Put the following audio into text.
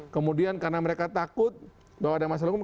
kemudian karena mereka takut bahwa ada masalah hukum